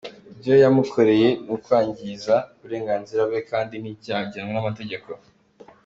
Ibyo yamukorewe, ni ukwangiza uburenganzira bwe kandi ni icyaha gihanwa n’amategeko.